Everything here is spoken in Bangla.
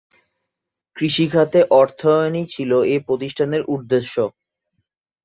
কৃষিখাতে অর্থায়নেই ছিল এ প্রতিষ্ঠানের উদ্দেশ্য।